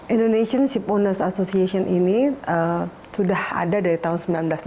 indonesian shipowners association ini sudah ada dari tahun seribu sembilan ratus enam puluh tujuh